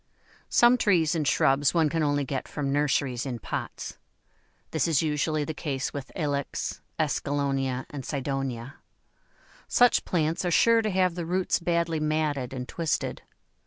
Some trees and shrubs one can only get from nurseries in pots. This is usually the case with Ilex, Escallonia, and Cydonia. Such plants are sure to have the roots badly matted and twisted.